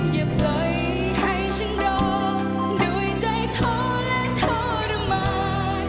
อย่าปล่อยให้ฉันรอด้วยใจท้อและทรมาน